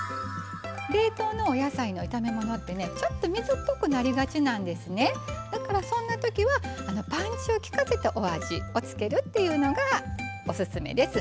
冷凍のお野菜の炒め物ってちょっと水っぽくなりがちなんですねだから、そんなときはパンチをきかせたお味を付けるというのがオススメです。